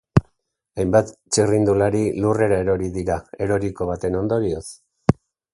Hainbat txirrindulari lurrera erori dira eroriko baten ondorioz.